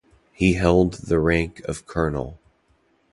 He held the rank of Colonel.